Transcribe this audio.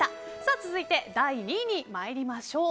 続いて第２位に参りましょう。